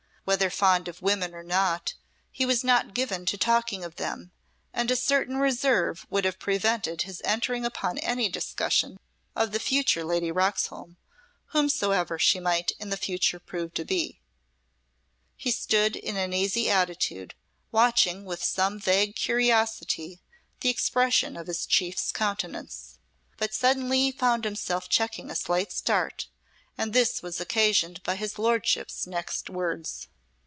Whether fond of women or not, he was not given to talking of them, and a certain reserve would have prevented his entering upon any discussion of the future Lady Roxholm, whomsoever she might in the future prove to be. He stood in an easy attitude, watching with some vague curiosity the expression of his chief's countenance. But suddenly he found himself checking a slight start, and this was occasioned by his Lordship's next words.